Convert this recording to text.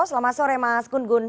selamat sore mas gun gun